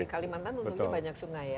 di kalimantan untuknya banyak sungai ya